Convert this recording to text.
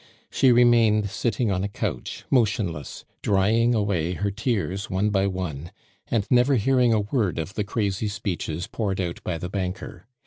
She remained sitting on a couch, motionless, drying away her tears one by one, and never hearing a word of the crazy speeches poured out by the banker.